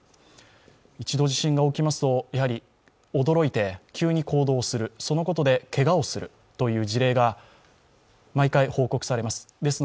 一度地震が起きますと驚いて急に行動する、そのことでけがをするという事例が毎回、報告されます。